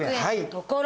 「ところ」